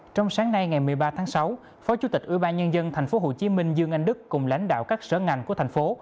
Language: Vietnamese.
trong sáng nay ngày một mươi ba tháng sáu phó chủ tịch ủy ba nhân dân tp hcm dương anh đức cùng lãnh đạo các sở ngành của thành phố